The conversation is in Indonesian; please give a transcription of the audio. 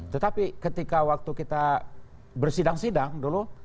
tetapi ketika waktu kita bersidang sidang dulu